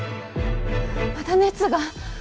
まだ熱が。